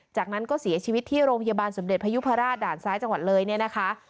จากนั้นก็เสียชีวิตที่โรงพยาบาลสมเด็จพยุพราชด่านซ้ายจังหวัดเลยเนี่ยนะคะ